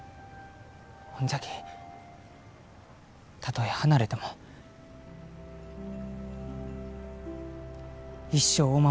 ほんじゃきたとえ離れても一生お守りすると誓います。